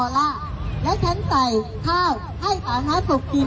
แล้วฉันใส่ข้าวให้ต่อมาสกิน